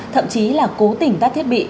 thậm chí là cố tỉnh tắt thiết bị